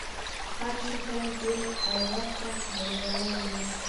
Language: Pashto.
هر شي ته دې اروا څک دی؛ ولاړ يې.